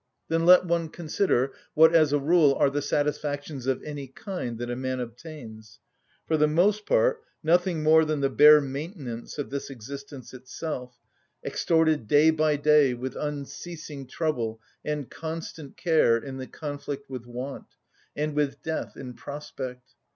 Then let one consider what as a rule are the satisfactions of any kind that a man obtains. For the most part nothing more than the bare maintenance of this existence itself, extorted day by day with unceasing trouble and constant care in the conflict with want, and with death in prospect.